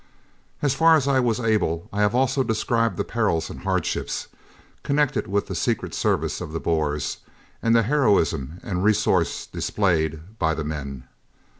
As far as I was able I have also described the perils and hardships connected with the Secret Service of the Boers and the heroism and resource displayed by the men.